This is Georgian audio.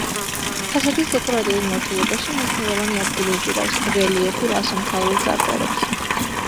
ფასადის დეკორატიულ მორთულობაში მნიშვნელოვანი ადგილი უჭირავს რელიეფურ, ასომთავრულ წარწერებს.